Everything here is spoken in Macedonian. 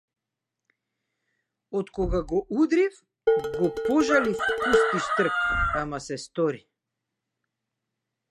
Откога го удрив, го пожалив пусти штрк, ама се стори.